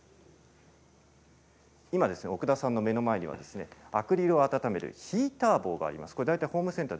今、目の前にはアクリルを温めるヒーター棒があります。